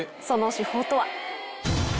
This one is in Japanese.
その手法とは？